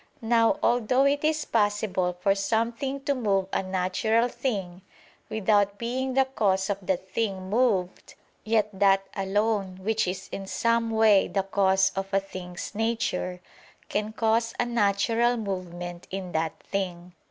Now although it is possible for something to move a natural thing, without being the cause of the thing moved, yet that alone, which is in some way the cause of a thing's nature, can cause a natural movement in that thing.